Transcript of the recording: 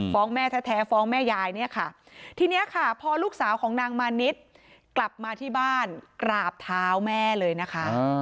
แม่แท้ฟ้องแม่ยายเนี่ยค่ะทีนี้ค่ะพอลูกสาวของนางมานิดกลับมาที่บ้านกราบเท้าแม่เลยนะคะ